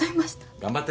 頑張って。